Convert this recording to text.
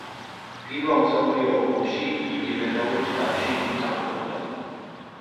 პირველ მსოფლიო ომში იგი გენერალურ შტაბში მსახურობდა.